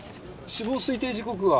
死亡推定時刻は？